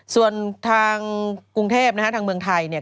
ส่วนทางกรุงเทพฯทางเมืองไทย